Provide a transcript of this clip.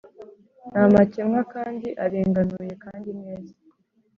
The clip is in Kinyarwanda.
ntamakemwa kandi arenganuye kandi neza,